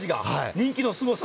人気のすごさ。